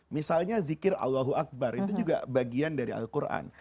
misalnya zikir allahu akbar itu juga bagian dari al quran